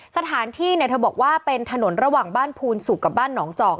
สถานที่เนี่ยเธอบอกว่าเป็นถนนระหว่างบ้านภูนสุกกับบ้านหนองจอก